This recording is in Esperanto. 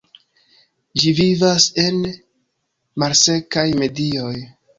Ĝi vivas en malsekaj medioj.